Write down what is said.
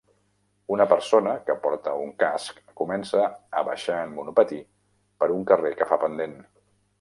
Una persona que porta un casc comença a baixar en monopatí per un carrer que fa pendent.